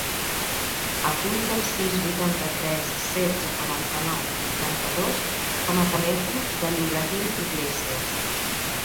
Apunta el sis, vuitanta-tres, setze, quaranta-nou, vuitanta-dos com a telèfon de l'Ibrahim Iglesias.